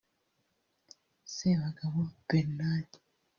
Sebagabo Bernard